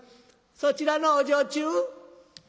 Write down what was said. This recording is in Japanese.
そちらのお女中？」。